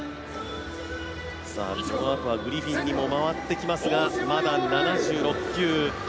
このあとはグリフィンにも回ってきますがまだ７６球。